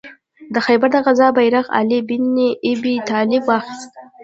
د خیبر د غزا بیرغ علي ابن ابي طالب واخیست.